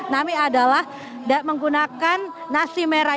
nami adalah menggunakan nasi merah